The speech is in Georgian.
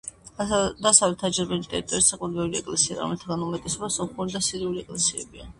დასავლეთ აზერბაიჯანის ტერიტორიაზე საკმაოდ ბევრი ეკლესიაა, რომელთაგანაც უმეტესობა სომხური და სირიული ეკლესიებია.